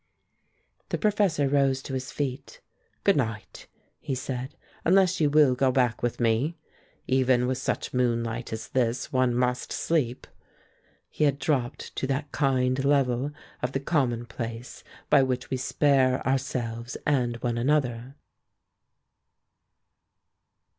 The professor rose to his feet. "Good night," he said; "unless you will go back with me. Even with such moonlight as this, one must sleep." He had dropped to that kind level of the commonplace by which we spare ourselves and one another.